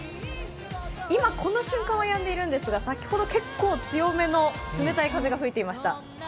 今この瞬間はやんでいるんですが先ほどは結構強めの風が吹いていました。